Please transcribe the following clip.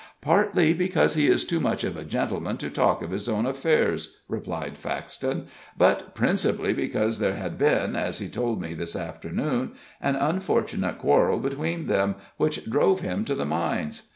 "Partly because he is too much of a gentleman to talk of his own affairs," replied Faxton; "but principally because there had been, as he told me this afternoon, an unfortunate quarrel between them, which drove him to the mines.